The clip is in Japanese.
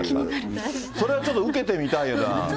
それはちょっと受けてみたいな。